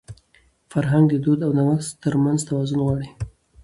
فرهنګ د دود او نوښت تر منځ توازن غواړي.